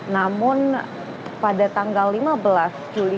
namun pada tanggal lima belas juli